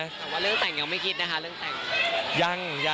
แต่ว่าเรื่องแต่งยังไม่คิดนะคะ